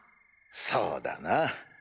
そうだな。